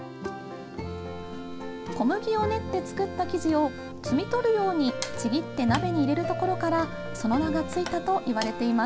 小麦を練って作った生地を摘み取るようにちぎって鍋に入れるところからその名がついたといわれています。